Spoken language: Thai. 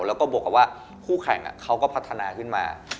แล้วก็บวกกับว่าคู่แข่งเขาก็พัฒนาขึ้นมา